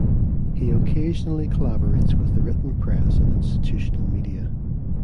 He occasionally collaborates with the written press and institutional media.